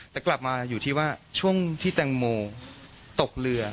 แต่กลับมาอยู่ที่ว่าช่วงที่แตงโมตกเรือ